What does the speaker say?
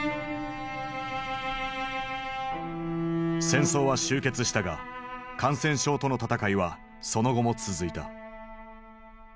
戦争は終結したが感染症との闘いはその後も続いた。